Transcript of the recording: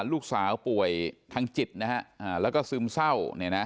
ลูกสาวป่วยทั้งจิตและซึมเศร้า